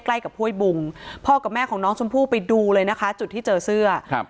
ใกล้กับห้วยบุงพ่อกับแม่ของน้องชมพู่ไปดูเลยนะคะจุดที่เจอเสื้อครับ